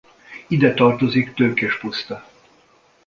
Ide tartozik Tőkés puszta.